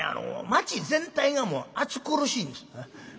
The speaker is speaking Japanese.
街全体がもう暑苦しいんです。